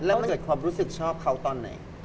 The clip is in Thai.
แล้วมันเกิดความรู้สึกชอบเขาตอนไหน